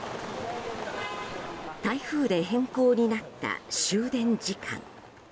台風で変更になった終電時間。